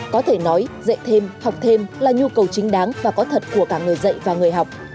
có thể nói dạy thêm học thêm là nhu cầu chính đáng và có thật của cả người dạy và người học